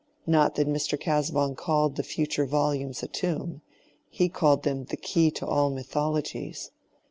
(Not that Mr. Casaubon called the future volumes a tomb; he called them the Key to all Mythologies.)